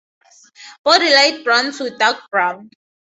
Body light brown to dark brown.